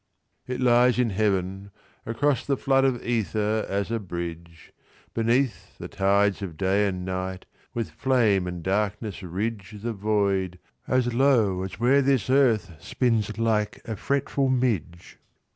It lies in Heaven, across the floodOf ether, as a bridge. Beneath, the tides of day and nightWith flame and darkness ridgeThe void, as low as where this earthSpins like a fretful midge.